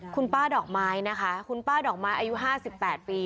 คุณป้าดอกไม้นะคะคุณป้าดอกไม้อายุห้าสิบแปดปี